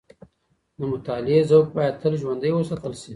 د مطالعې ذوق باید تل ژوندی وساتل سي.